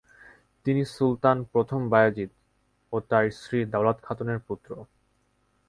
তিনি সুলতান প্রথম বায়েজীদ ও তার স্ত্রী দাওলাত খাতুনের পুত্র।